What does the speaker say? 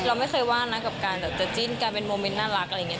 เราไม่เคยว่านะกับการแบบจะจิ้นการเป็นโมเมนต์น่ารักอะไรอย่างนี้